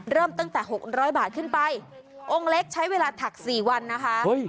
เริ่มตั้งแต่๖๐๐บาทขึ้นไปองค์เล็กใช้เวลาถัก๔วันนะคะ